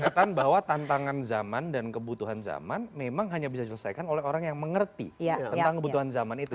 catatan bahwa tantangan zaman dan kebutuhan zaman memang hanya bisa diselesaikan oleh orang yang mengerti tentang kebutuhan zaman itu